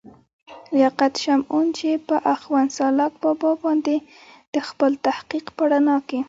لياقت شمعون، چې پۀ اخون سالاک بابا باندې دَخپل تحقيق پۀ رڼا کښې